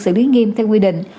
xử lý nghiêm theo quy định